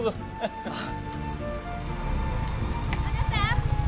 ・あなた。